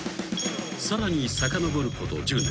［さらにさかのぼること１０年］